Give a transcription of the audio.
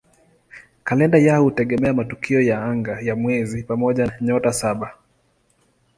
Kalenda yao hutegemea matukio ya anga ya mwezi pamoja na "Nyota Saba".